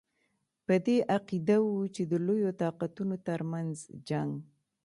په دې عقیده وو چې د لویو طاقتونو ترمنځ جنګ.